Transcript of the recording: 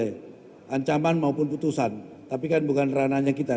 jadi ancaman maupun putusan tapi kan bukan rananya kita